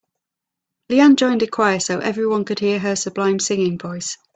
Leanne joined a choir so everyone could hear her sublime singing voice.